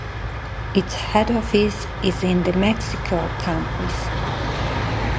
Its head office is in the Mixcoac campus.